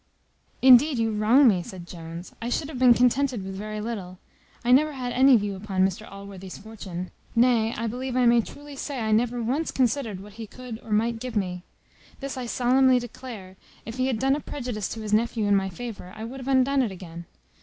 "Indeed you wrong me," said Jones; "I should have been contented with very little: I never had any view upon Mr Allworthy's fortune; nay, I believe I may truly say, I never once considered what he could or might give me. This I solemnly declare, if he had done a prejudice to his nephew in my favour, I would have undone it again.